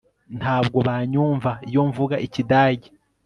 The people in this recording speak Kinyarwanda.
Ntabwo banyumva iyo mvuga Ikidage